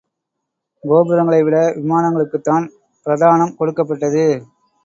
கோபுரங்களை விட, விமானங்களுக்குத்தான் பிரதானம் கொடுக்கப்பட்டது.